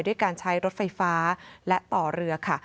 ด้วยการใช้รถไฟฟ้าและต่อเรือค่ะ